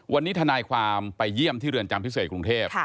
วันนี้ทนายความไปเยี่ยมที่เรือนจำพิเศษกรุงเทพ